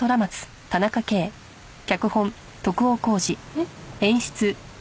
えっ？